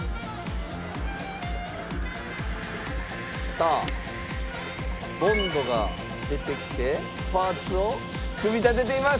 さあボンドが出てきてパーツを組み立てています。